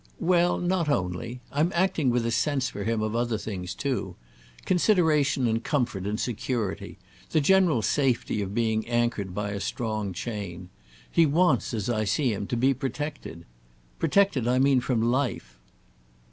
"Well, not only. I'm acting with a sense for him of other things too. Consideration and comfort and security—the general safety of being anchored by a strong chain. He wants, as I see him, to be protected. Protected I mean from life."